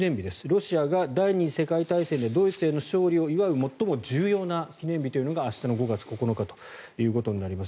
ロシアが第２次世界大戦でドイツへの勝利を祝う最も重要な記念日というのが明日の５月９日ということになります。